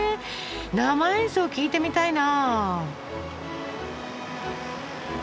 生演奏聴いてみたいな。